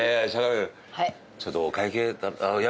ちょっとお会計やっぱ。